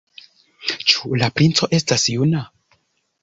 Ĉu la princo estas juna?